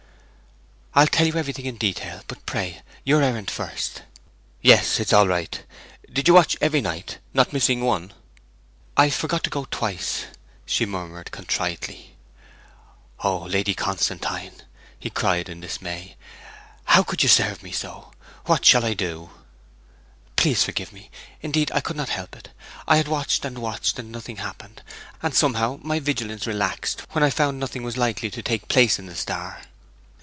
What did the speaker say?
'I'll tell you everything in detail; but, pray, your errand first!' 'Yes, it's all right. Did you watch every night, not missing one?' 'I forgot to go twice,' she murmured contritely. 'Oh, Lady Constantine!' he cried in dismay. 'How could you serve me so! what shall I do?' 'Please forgive me! Indeed, I could not help it. I had watched and watched, and nothing happened; and somehow my vigilance relaxed when I found nothing was likely to take place in the star.'